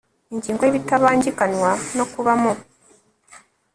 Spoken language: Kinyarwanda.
ingingo ya ibitabangikanywa no kuba mu